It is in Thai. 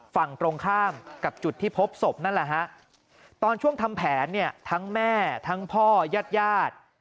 ฝั่งตรงข้ามกับจุดที่พบศพนั่นแหละฮะตอนช่วงทำแผนเนี่ยทั้งแม่ทั้งพ่อญาติญาติ